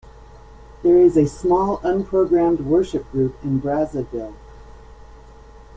There is a small unprogrammed worship group in Brazzaville.